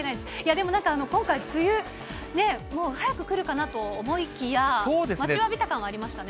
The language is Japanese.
でもなんか今回、梅雨ね、もう早くくるかなと思いきや、待ちわびた感はありましたね。